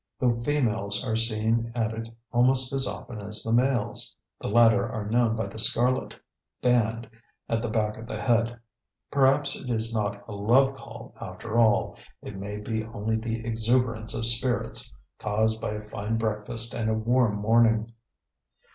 The females are seen at it almost as often as the males; the latter are known by the scarlet band at the back of the head. Perhaps it is not a love call after all; it may be only the exuberance of spirits caused by a fine breakfast and a warm morning.